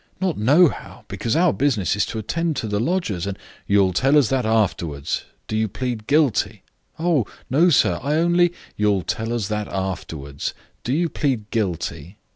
"Not nohow, because our business is to attend on the lodgers, and " "You'll tell us that afterwards. Do you plead guilty?" "Oh, no, sir. I only, " "You'll tell us that afterwards. Do you plead guilty?"